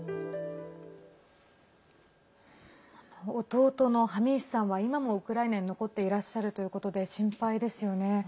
弟のハミースさんは今も、ウクライナに残っていらっしゃるということで心配ですよね。